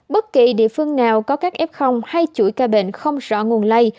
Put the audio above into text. bất kỳ địa phương nào có các f hay chuỗi ca bệnh không rõ nguồn lây